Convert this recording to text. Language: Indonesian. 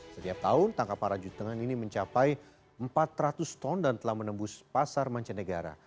setiap tahun tangkap para jutengan ini mencapai empat ratus ton dan telah menembus pasar mancanegara